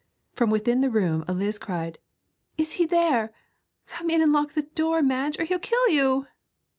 From within the room Eliz cried, 'Is he there? Come in and lock the door, Madge, or he'll kill you!'